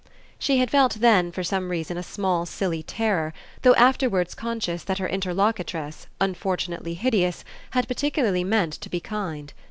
She had felt then, for some reason, a small silly terror, though afterwards conscious that her interlocutress, unfortunately hideous, had particularly meant to be kind.